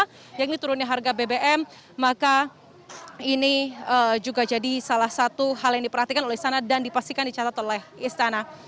karena ini turunnya harga bbm maka ini juga jadi salah satu hal yang diperhatikan oleh istana dan dipastikan dicatat oleh istana